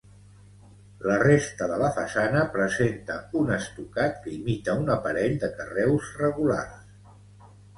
La resta de la façana presenta un estucat que imita un aparell de carreus regulars.